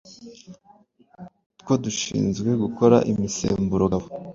two dushinzwe gukora imisemburo gabo